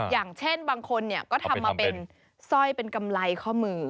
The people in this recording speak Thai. อย่างเช่นบางคนก็ทำมาเป็นสร้อยเป็นกำไรข้อมือ